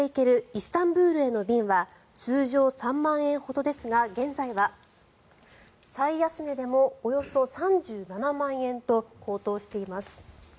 イスタンブールへの便は通常３万円ほどですが、現在は最安値でもおよそ３７万円と高騰しています。